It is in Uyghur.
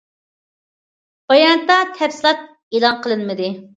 باياناتتا تەپسىلات ئېلان قىلىنمىدى.